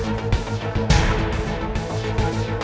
sepentingnya gumpanya disini saja